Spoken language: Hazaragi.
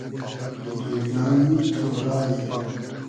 دونیای تۉرای